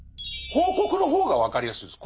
広告の方が分かりやすいです。